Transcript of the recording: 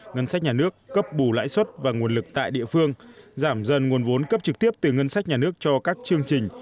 ngân sách nhà nước cấp bù lãi suất và nguồn lực tại địa phương giảm dần nguồn vốn cấp trực tiếp từ ngân sách nhà nước cho các chương trình